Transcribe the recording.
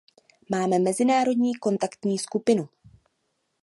Máme mezinárodní kontaktní skupinu.